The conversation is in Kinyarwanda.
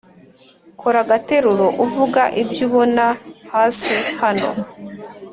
Kora agateruro uvuga ibyo ubona hasi hano